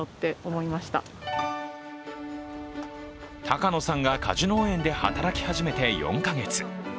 高野さんが果樹農園で働き始めて４か月。